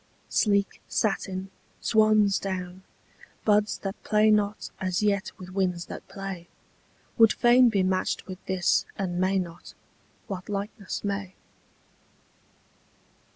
Sleek satin, swansdown, buds that play not As yet with winds that play, Would fain be matched with this, and may not: What likeness may?